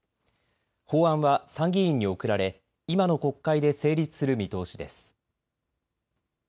法案は参議院に送られ今の国会で成立する見通しです。